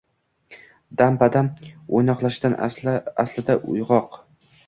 Dam-badam o’ynoqlashidan aslida uyg’oq.